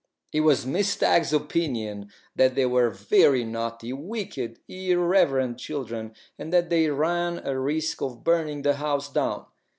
It was Miss Stagg's opinion that they were very naughty, wicked, irreverent children, and that they ran a risk of burning the house down.